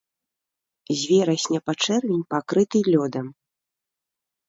З верасня па чэрвень пакрыты лёдам.